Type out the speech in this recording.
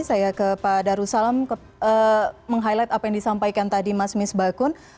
saya ke pak darussalam meng highlight apa yang disampaikan tadi mas mis bakun